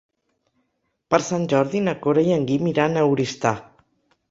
Per Sant Jordi na Cora i en Guim iran a Oristà.